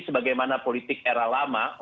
sebagaimana politik era lama